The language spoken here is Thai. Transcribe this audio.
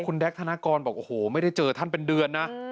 คุณแด๊กธนากรบอกโอ้โหไม่ได้เจอท่านเป็นเดือนนะ